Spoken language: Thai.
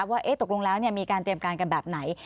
ว่าตกลงแล้วมีการเตรียมการกันแบบไหน